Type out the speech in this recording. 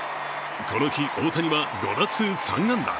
この日、大谷は５打数３安打。